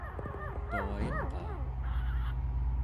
tua-i-qaa?